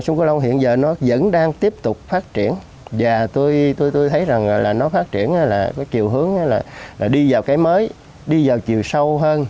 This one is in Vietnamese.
sông cửu long hiện giờ nó vẫn đang tiếp tục phát triển và tôi thấy rằng là nó phát triển là với chiều hướng là đi vào cái mới đi vào chiều sâu hơn